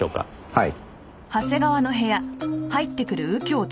はい。